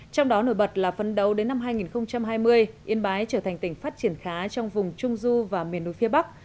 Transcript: trong đó nổi bật là phấn đấu đến năm hai nghìn hai mươi yên bái trở thành tỉnh phát triển khá trong vùng trung du và miền núi phía bắc